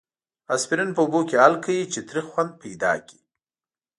اسپرین په اوبو کې حل کړئ چې تریخ خوند پیدا کړي.